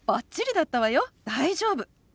大丈夫。